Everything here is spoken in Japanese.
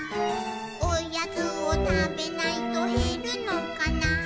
「おやつをたべないとへるのかな」